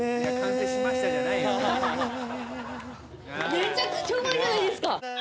めちゃくちゃうまいじゃないですか！